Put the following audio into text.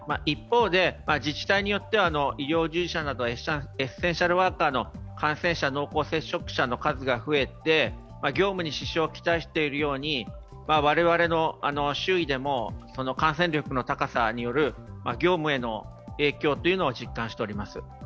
一方で、自治体によっては医療従事者などエッセンシャルワーカーの感染者、濃厚接触者の数が増えて、業務に支障を来しているように我々の周囲でも感染力の高さによる業務への影響というのを実感しております。